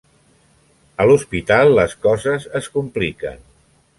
A l'hospital, les coses es compliquen.